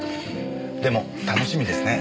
でも楽しみですね。